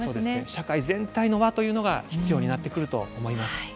社会全体の輪というのが必要になってくると思います。